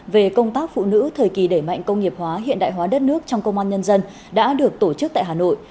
về công tác phụ nữ thời kỳ đẩy mạnh công nghiệp hóa hiện đại hóa đất nước trong công an nhân dân đã được tổ chức tại hà nội